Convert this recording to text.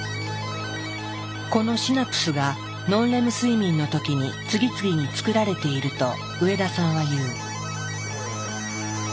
このシナプスがノンレム睡眠の時に次々に作られていると上田さんは言う。